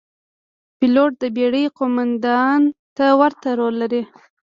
پیلوټ د بېړۍ قوماندان ته ورته رول لري.